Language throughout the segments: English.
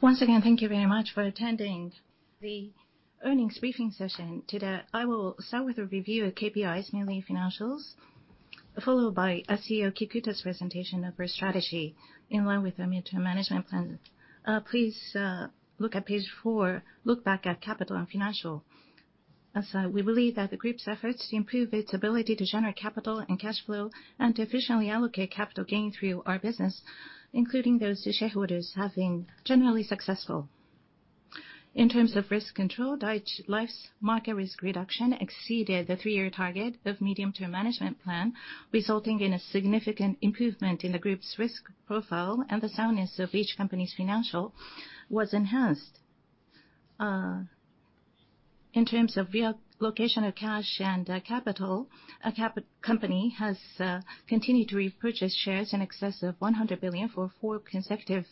Once again, thank you very much for attending the earnings briefing session today. I will start with a review of KPIs, mainly financials, followed by our CEO Kikuta's presentation of our strategy in line with our medium-term management plan. Please look at page 4, look back at capital and financial. As we believe that the group's efforts to improve its ability to generate capital and cash flow and to efficiently allocate capital gain through our business, including those to shareholders, have been generally successful. In terms of risk control, Dai-ichi Life's market risk reduction exceeded the three-year target of medium-term management plan, resulting in a significant improvement in the group's risk profile, and the soundness of each company's financial was enhanced. In terms of location of cash and capital, a company has continued to repurchase shares in excess of 100 billion for 4 consecutive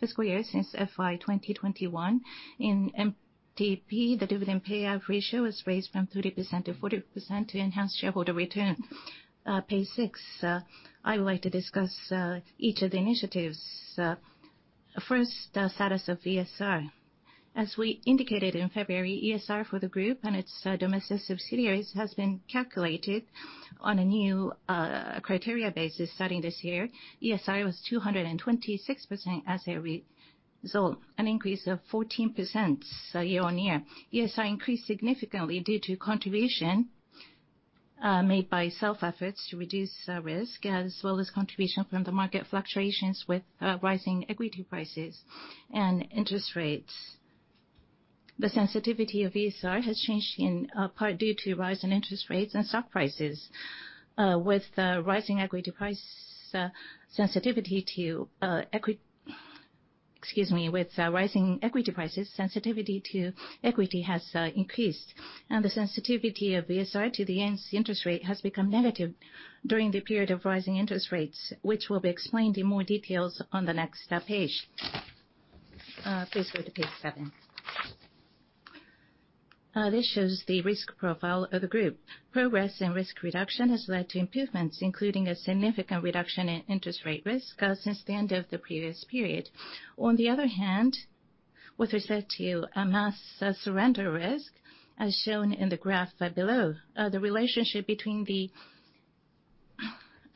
fiscal years since FY 2021. In MTP, the dividend payout ratio was raised from 30% to 40% to enhance shareholder return. Page 6, I would like to discuss each of the initiatives. First, the status of ESR. As we indicated in February, ESR for the group and its domestic subsidiaries has been calculated on a new criteria basis starting this year. ESR was 226% as a result, an increase of 14% year-on-year. ESR increased significantly due to contribution made by self-efforts to reduce risk, as well as contribution from the market fluctuations with rising equity prices and interest rates. The sensitivity of ESR has changed in part due to rise in interest rates and stock prices. With rising equity prices, sensitivity to equity has increased, and the sensitivity of ESR to the interest rate has become negative during the period of rising interest rates, which will be explained in more details on the next page. Please go to page seven. This shows the risk profile of the group. Progress in risk reduction has led to improvements, including a significant reduction in interest rate risk since the end of the previous period. On the other hand, with respect to a mass surrender risk, as shown in the graph, below, the relationship between the,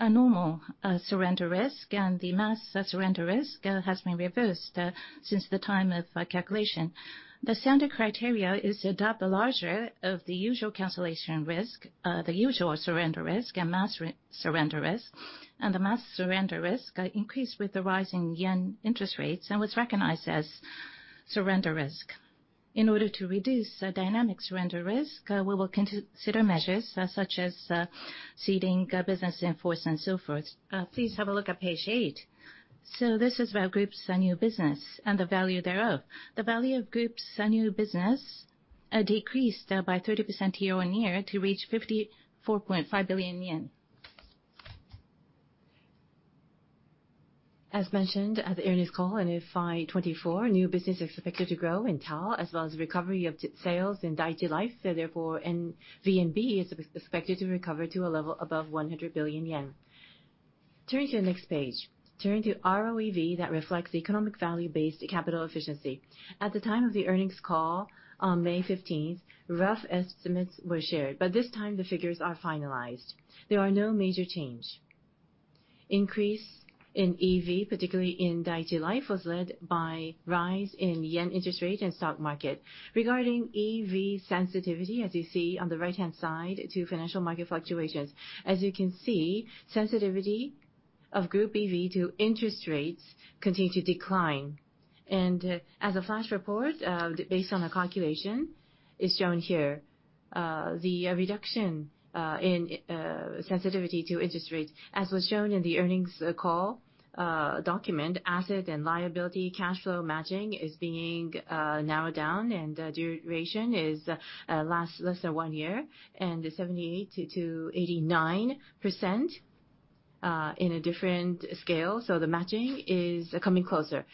a normal, surrender risk and the mass surrender risk, has been reversed, since the time of, calculation. The standard criteria is to adopt the larger of the usual cancellation risk, the usual surrender risk, and mass surrender risk, and the mass surrender risk, increased with the rising yen interest rates and was recognized as surrender risk. In order to reduce, dynamic surrender risk, we will consider measures, such as, ceding business in force and so forth. Please have a look at page 8. So this is about group's new business and the value thereof. The value of group's new business, decreased, by 30% year-on-year to reach 54.5 billion yen. As mentioned at the earnings call, in FY 2024, new business is expected to grow in TAL, as well as recovery of sales in Dai-ichi Life, so therefore, VNB is expected to recover to a level above 100 billion yen. Turning to the next page. Turning to ROEV, that reflects the economic value-based capital efficiency. At the time of the earnings call on May 15th, rough estimates were shared, but this time the figures are finalized. There are no major change. Increase in EV, particularly in Dai-ichi Life, was led by rise in yen interest rate and stock market. Regarding EV sensitivity, as you see on the right-hand side, to financial market fluctuations, as you can see, sensitivity of Group EV to interest rates continue to decline. And as a flash report, based on the calculation, is shown here. The reduction in sensitivity to interest rates, as was shown in the earnings call document, asset and liability cash flow matching is being narrowed down and duration is last less than one year, and 78%-89% in a different scale, so the matching is coming closer.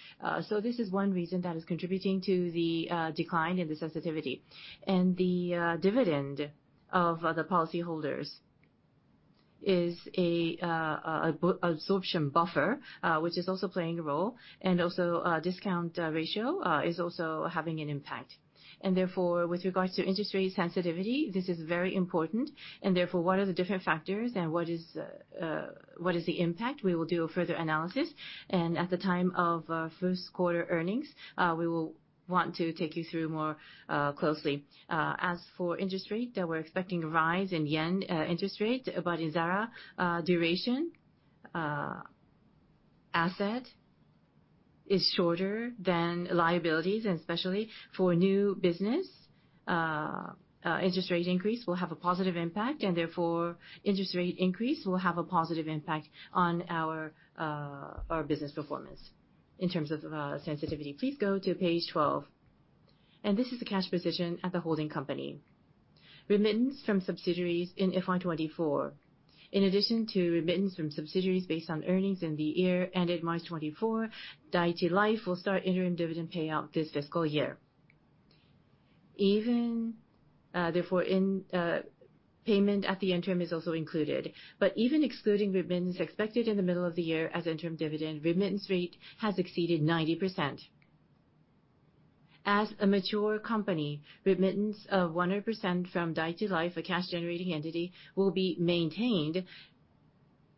So this is one reason that is contributing to the decline in the sensitivity. And the dividend of the policyholders is a absorption buffer which is also playing a role, and also discount ratio is also having an impact. And therefore, with regards to interest rate sensitivity, this is very important, and therefore, what are the different factors and what is what is the impact? We will do a further analysis, and at the time of first quarter earnings, we will want to take you through more closely. As for interest rate, we're expecting a rise in yen interest rate, but in XARA, duration, asset is shorter than liabilities, and especially for new business, interest rate increase will have a positive impact, and therefore, interest rate increase will have a positive impact on our our business performance in terms of sensitivity. Please go to page 12. And this is the cash position at the holding company. Remittance from subsidiaries in FY 2024. In addition to remittance from subsidiaries based on earnings in the year ended March 2024, Dai-ichi Life will start interim dividend payout this fiscal year. .Even, therefore, in payment at the interim is also included. But even excluding remittances expected in the middle of the year as interim dividend, remittance rate has exceeded 90%. As a mature company, remittance of 100% from Dai-ichi Life, a cash-generating entity, will be maintained,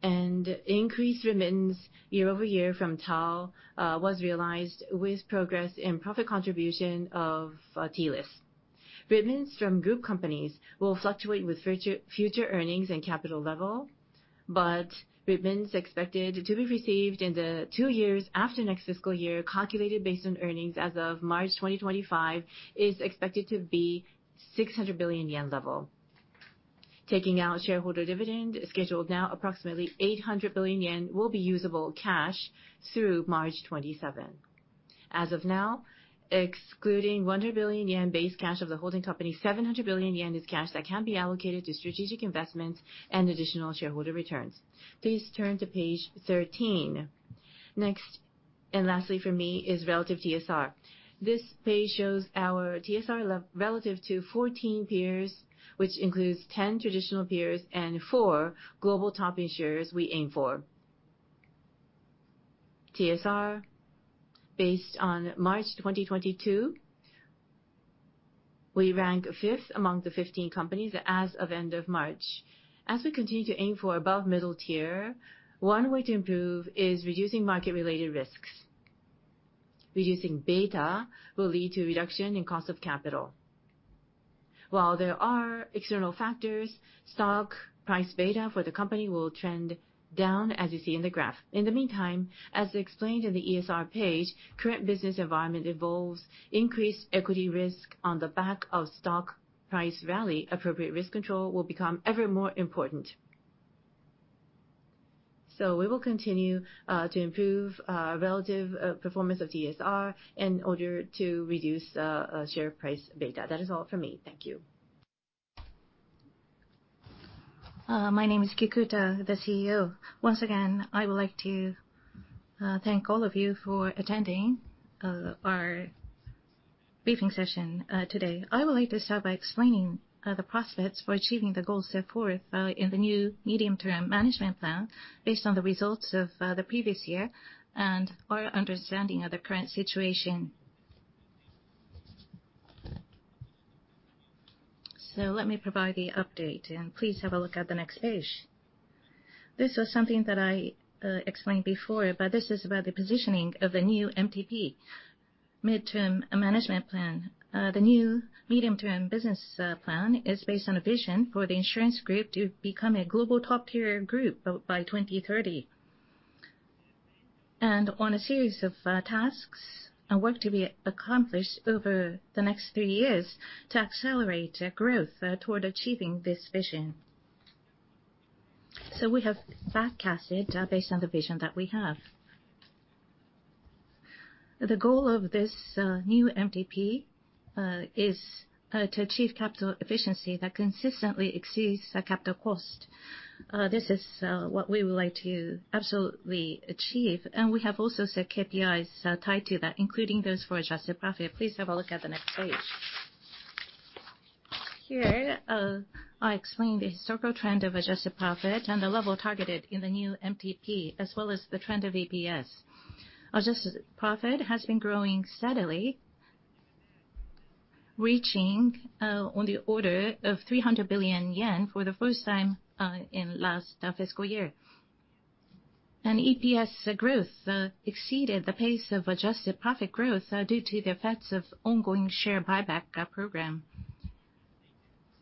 and increased remittance year over year from TAL was realized with progress in profit contribution of TLIS. Remittances from group companies will fluctuate with future earnings and capital level, but remittance expected to be received in the two years after next fiscal year, calculated based on earnings as of March 2025, is expected to be 600 billion yen level. Taking out shareholder dividend, scheduled now, approximately 800 billion yen will be usable cash through March 2027. As of now, excluding 100 billion yen base cash of the holding company, 700 billion yen is cash that can be allocated to strategic investments and additional shareholder returns. Please turn to page 13. Next, and lastly for me, is relative TSR. This page shows our TSR relative to 14 peers, which includes 10 traditional peers and four global top insurers we aim for. TSR, based on March 2022, we rank 5th among the 15 companies as of end of March. As we continue to aim for above middle tier, one way to improve is reducing market-related risks. Reducing beta will lead to reduction in cost of capital. While there are external factors, stock price beta for the company will trend down, as you see in the graph. In the meantime, as explained in the ESR page, current business environment involves increased equity risk on the back of stock price rally. Appropriate risk control will become ever more important. So we will continue to improve relative performance of TSR in order to reduce a share price beta. That is all for me. Thank you. My name is Kikuta, the CEO. Once again, I would like to thank all of you for attending our briefing session today. I would like to start by explaining the prospects for achieving the goals set forth in the new Medium-Term Management Plan based on the results of the previous year and our understanding of the current situation. So let me provide the update, and please have a look at the next page. This is something that I explained before, but this is about the positioning of the new MTP, Midterm Management Plan. The new medium-term business plan is based on a vision for the insurance group to become a global top-tier group by 2030, and on a series of tasks and work to be accomplished over the next three years to accelerate growth toward achieving this vision. So we have back-casted based on the vision that we have. The goal of this new MTP is to achieve capital efficiency that consistently exceeds the capital cost. This is what we would like to absolutely achieve, and we have also set KPIs tied to that, including those for adjusted profit. Please have a look at the next page. Here, I explain the historical trend of adjusted profit and the level targeted in the new MTP, as well as the trend of EPS. Adjusted profit has been growing steadily, reaching on the order of 300 billion yen for the first time in last fiscal year. And EPS growth exceeded the pace of adjusted profit growth due to the effects of ongoing share buyback program.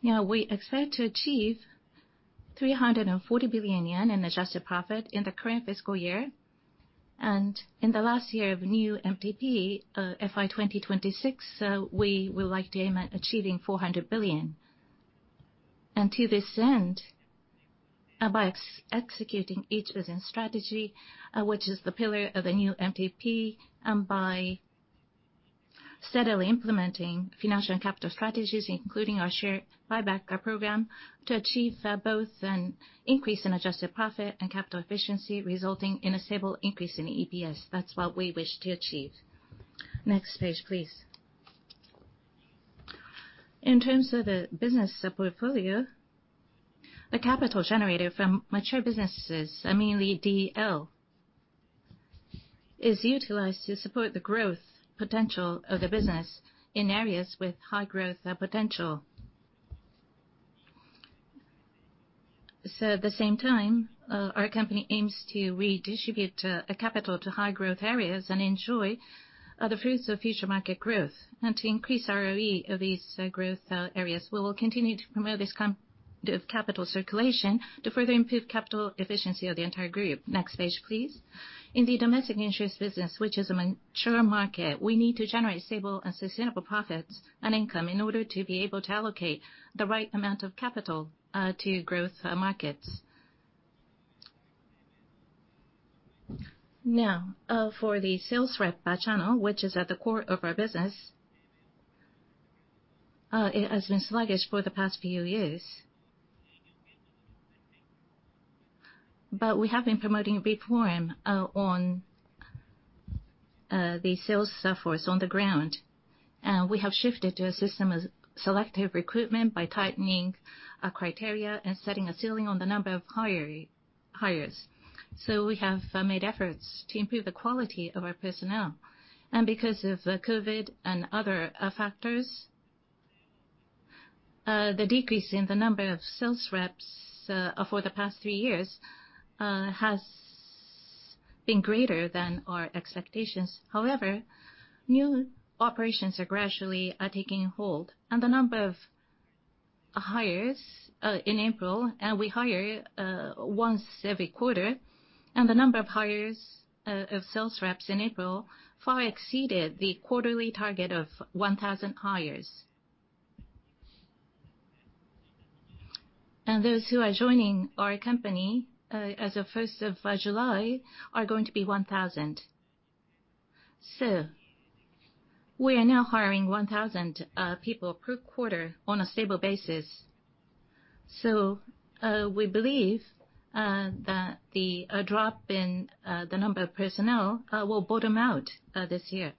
Now, we expect to achieve 340 billion yen in adjusted profit in the current fiscal year, and in the last year of new MTP, FY 2026, we would like to aim at achieving 400 billion. And to this end, by executing each business strategy, which is the pillar of the new MTP, and by steadily implementing financial and capital strategies, including our share buyback program, to achieve both an increase in adjusted profit and capital efficiency, resulting in a stable increase in EPS. That's what we wish to achieve. Next page, please. In terms of the business portfolio, the capital generated from mature businesses, mainly DL, is utilized to support the growth potential of the business in areas with high growth potential. So at the same time, our company aims to redistribute capital to high-growth areas and enjoy the fruits of future market growth. And to increase ROE of these growth areas, we will continue to promote this capital circulation to further improve capital efficiency of the entire group. Next page, please. In the domestic insurance business, which is a mature market, we need to generate stable and sustainable profits and income in order to be able to allocate the right amount of capital to growth markets. Now, for the sales rep by channel, which is at the core of our business, it has been sluggish for the past few years. But we have been promoting reform on the sales workforce on the ground. And we have shifted to a system of selective recruitment by tightening our criteria and setting a ceiling on the number of hires. So we have made efforts to improve the quality of our personnel. And because of the COVID and other factors, the decrease in the number of sales reps for the past three years has been greater than our expectations. However, new operations are gradually taking hold, and the number of hires in April, and we hire once every quarter, and the number of hires of sales reps in April far exceeded the quarterly target of 1,000 hires. Those who are joining our company as of first of July are going to be 1,000. So we are now hiring 1,000 people per quarter on a stable basis. So we believe that a drop in the number of personnel will bottom out this year.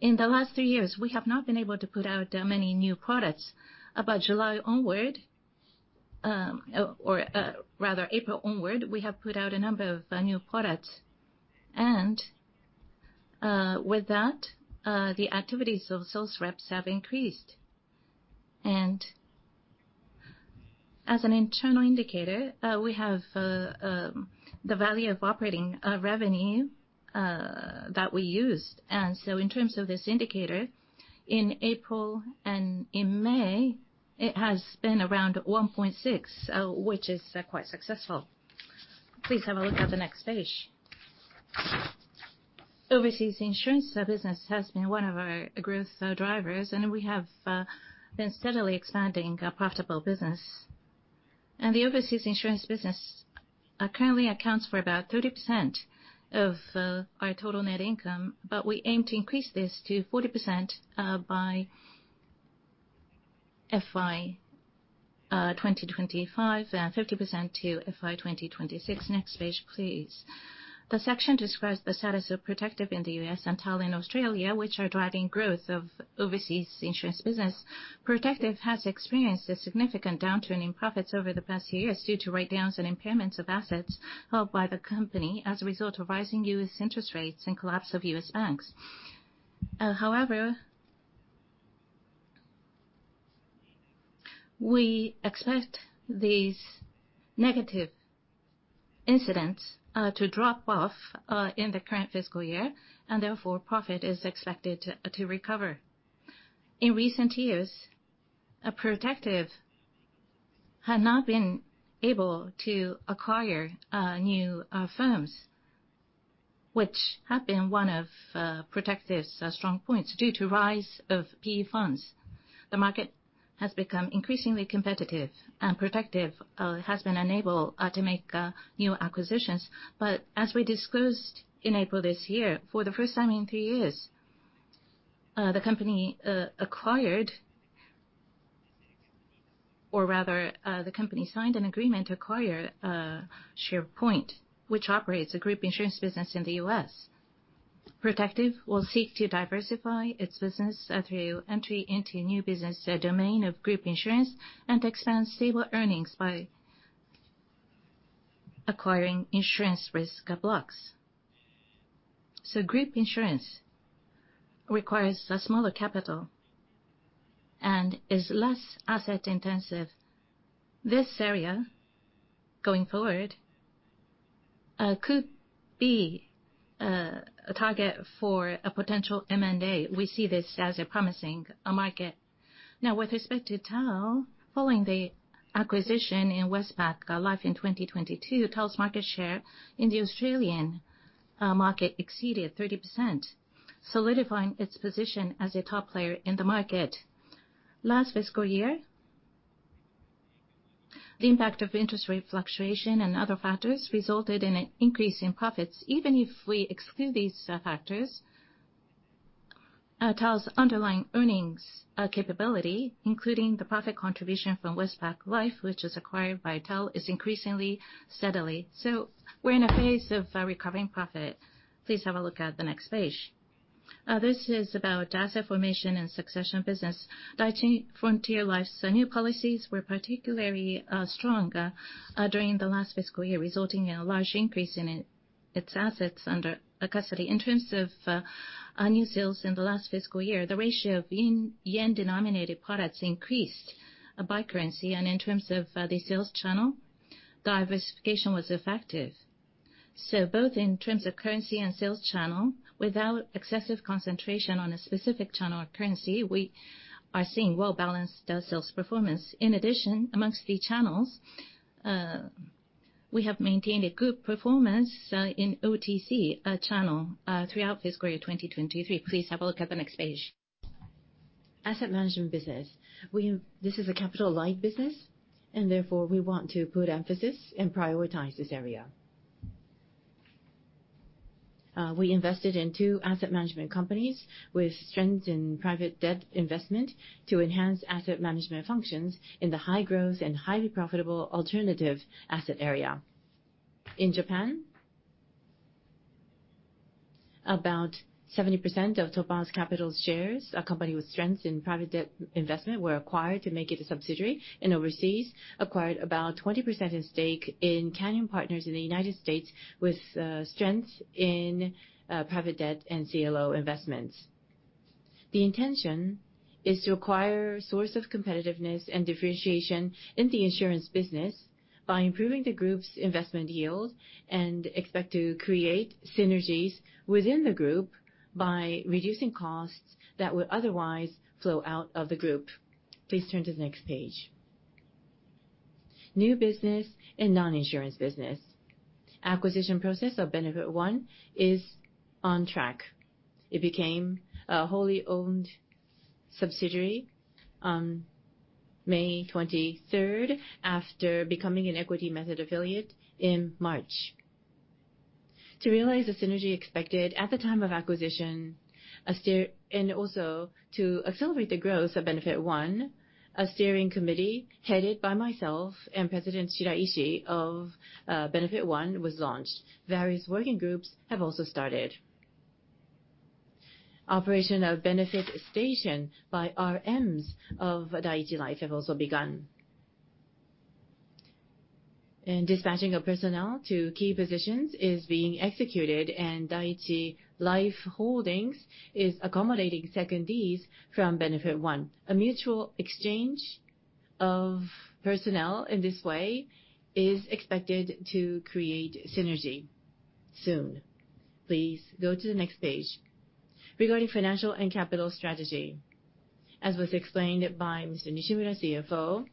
In the last three years, we have not been able to put out many new products. About July onward, or rather April onward, we have put out a number of new products, and with that, the activities of sales reps have increased. As an internal indicator, we have the value of operating revenue that we used. So in terms of this indicator, in April and in May, it has been around 1.6, which is quite successful. Please have a look at the next page. Overseas insurance business has been one of our growth drivers, and we have been steadily expanding a profitable business. The overseas insurance business currently accounts for about 30% of our total net income, but we aim to increase this to 40% by FY 2025, and 50% to FY 2026. Next page, please. The section describes the status of Protective in the U.S. and TAL in Australia, which are driving growth of overseas insurance business. Protective has experienced a significant downturn in profits over the past years due to write-downs and impairments of assets held by the company as a result of rising U.S. interest rates and collapse of U.S. banks. However, we expect these negative incidents to drop off in the current fiscal year, and therefore, profit is expected to recover. In recent years, Protective had not been able to acquire new firms, which have been one of Protective's strong points, due to rise of PE funds. The market has become increasingly competitive, and Protective has been unable to make new acquisitions. But as we disclosed in April this year, for the first time in three years, the company acquired... Or rather, the company signed an agreement to acquire ShelterPoint, which operates a group insurance business in the U.S. Protective will seek to diversify its business through entry into new business, the domain of group insurance, and expand stable earnings by acquiring insurance risk blocks. So group insurance requires a smaller capital and is less asset intensive. This area, going forward, could be a target for a potential M&A. We see this as a promising market. Now, with respect to TAL, following the acquisition in Westpac Life in 2022, TAL's market share in the Australian market exceeded 30%, solidifying its position as a top player in the market. Last fiscal year, the impact of interest rate fluctuation and other factors resulted in an increase in profits. Even if we exclude these factors, TAL's underlying earnings capability, including the profit contribution from Westpac Life, which is acquired by TAL, is increasingly steadily. So we're in a phase of recovering profit. Please have a look at the next page. This is about asset formation and succession business. Dai-ichi Frontier Life's new policies were particularly strong during the last fiscal year, resulting in a large increase in its assets under custody. In terms of our new sales in the last fiscal year, the ratio of yen, yen-denominated products increased by currency, and in terms of the sales channel, diversification was effective. So both in terms of currency and sales channel, without excessive concentration on a specific channel or currency, we are seeing well-balanced sales performance. In addition, among the channels, we have maintained a good performance in OTC channel throughout fiscal year 2023. Please have a look at the next page. Asset management business. This is a capital-light business, and therefore, we want to put emphasis and prioritize this area. We invested in two asset management companies with strength in private debt investment to enhance asset management functions in the high-growth and highly profitable alternative asset area. In Japan, about 70% of Topaz Capital's shares, a company with strength in private debt investment, were acquired to make it a subsidiary, and overseas acquired about 20% stake in Canyon Partners in the United States, with strength in private debt and CLO investments. The intention is to acquire source of competitiveness and differentiation in the insurance business by improving the group's investment yield, and expect to create synergies within the group by reducing costs that would otherwise flow out of the group. Please turn to the next page. New business and non-insurance business. Acquisition process of Benefit One is on track.It became a wholly owned subsidiary on May 23rd, after becoming an equity method affiliate in March. To realize the synergy expected at the time of acquisition, and also to accelerate the growth of Benefit One, a steering committee, headed by myself and President Shiraishi of Benefit One, was launched. Various working groups have also started. Operation of Benefit Station by RMs of Dai-ichi Life have also begun. Dispatching of personnel to key positions is being executed, and Dai-ichi Life Holdings is accommodating secondees from Benefit One. A mutual exchange of personnel in this way is expected to create synergy soon. Please go to the next page. Regarding financial and capital strategy, as was explained by Mr. Nishimura, CFO,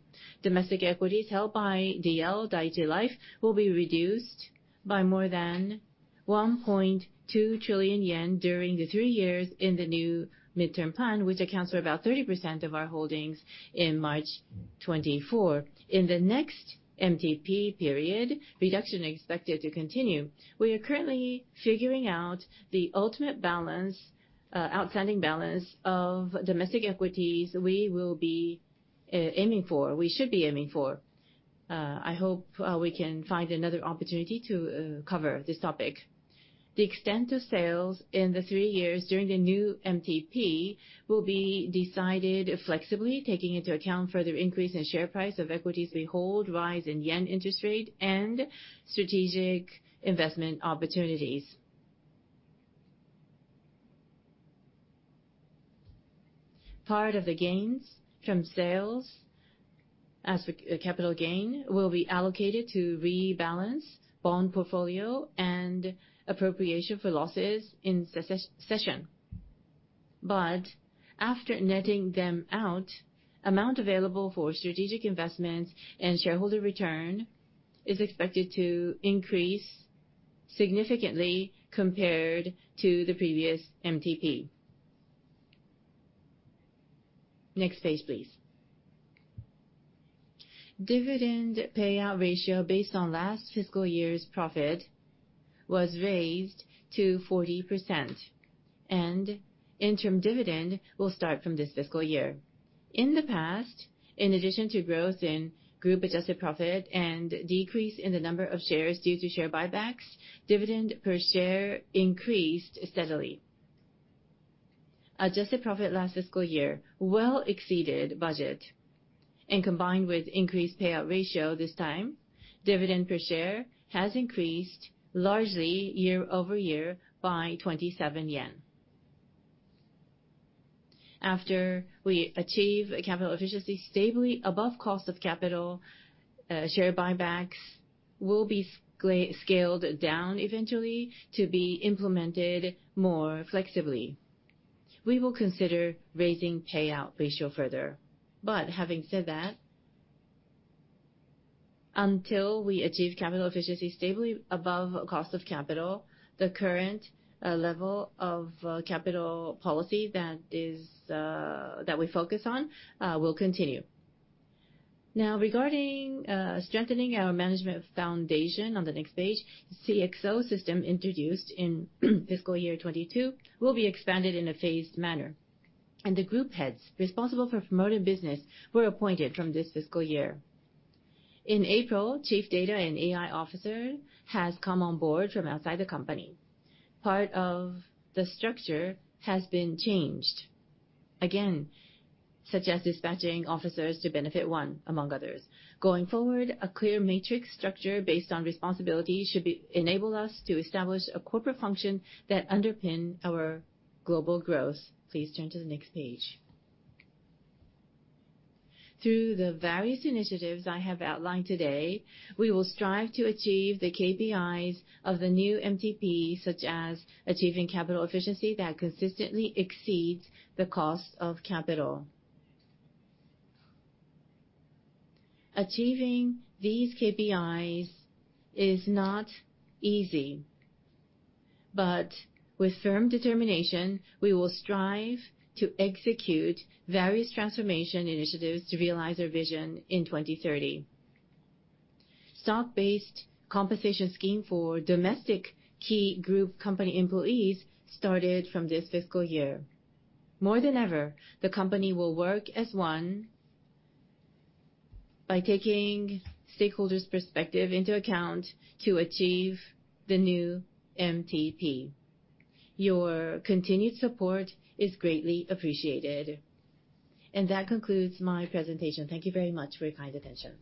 domestic equities held by DL, Dai-ichi Life, will be reduced by more than 1.2 trillion yen during the three years in the new midterm plan, which accounts for about 30% of our holdings in March 2024. In the next MTP period, reduction is expected to continue. We are currently figuring out the ultimate balance, outstanding balance of domestic equities we will be, aiming for, we should be aiming for. I hope, we can find another opportunity to, cover this topic. The extent of sales in the three years during the new MTP will be decided flexibly, taking into account further increase in share price of equities we hold, rise in yen interest rate, and strategic investment opportunities. Part of the gains from sales as a capital gain will be allocated to rebalance bond portfolio and appropriation for losses in cession. But after netting them out, amount available for strategic investments and shareholder return is expected to increase significantly compared to the previous MTP. Next page, please. Dividend payout ratio based on last fiscal year's profit was raised to 40%, and interim dividend will start from this fiscal year. In the past, in addition to growth in group-adjusted profit and decrease in the number of shares due to share buybacks, dividend per share increased steadily. Adjusted profit last fiscal year well exceeded budget, and combined with increased payout ratio this time, dividend per share has increased largely year-over-year by JPY 27. After we achieve capital efficiency stably above cost of capital, share buybacks will be scaled down eventually to be implemented more flexibly. We will consider raising payout ratio further. But having said that, until we achieve capital efficiency stably above cost of capital, the current level of capital policy that is that we focus on will continue. Now, regarding strengthening our management foundation, on the next page, CXO system introduced in fiscal year 2022, will be expanded in a phased manner, and the group heads responsible for promoting business were appointed from this fiscal year. In April, Chief Data and AI Officer has come on board from outside the company. Part of the structure has been changed, again, such as dispatching officers to Benefit One, among others. Going forward, a clear matrix structure based on responsibility should enable us to establish a corporate function that underpins our global growth. Please turn to the next page. Through the various initiatives I have outlined today, we will strive to achieve the KPIs of the new MTP, such as achieving capital efficiency that consistently exceeds the cost of capital. Achieving these KPIs is not easy, but with firm determination, we will strive to execute various transformation initiatives to realize our vision in 2030. Stock-based compensation scheme for domestic key group company employees started from this fiscal year. More than ever, the company will work as one by taking stakeholders' perspective into account to achieve the new MTP. Your continued support is greatly appreciated. That concludes my presentation. Thank you very much for your kind attention.